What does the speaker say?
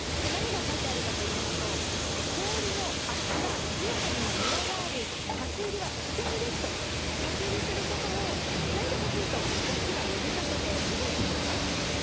何が書いてあるかといいますと、氷の厚さ、強さにもむらがあり、立ち入りは危険ですと、立ち入りすることをしないでほしいと市が呼びかけているんですね。